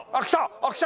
あっ来た！